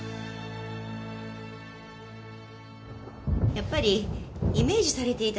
やっぱりイメージされていたのと違います？